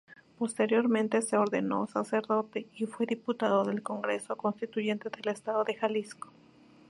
Posteriormente se ordenó sacerdote y fue diputado del Congreso Constituyente del Estado de Jalisco.